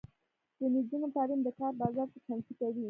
د نجونو تعلیم د کار بازار ته چمتو کوي.